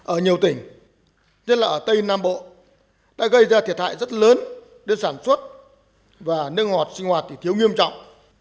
ở nhiều tỉnh nhất là ở tây nam bộ đã gây ra thiệt hại rất lớn đến sản xuất và nước ngọt sinh hoạt thì thiếu nghiêm trọng